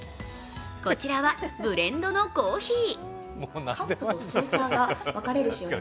こちらはブレンドのコーヒー。